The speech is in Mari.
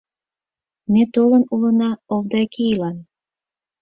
Ме толын улына Овдакийлан.